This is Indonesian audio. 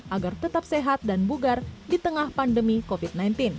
agar tetap sehat dan bugar di tengah pandemi covid sembilan belas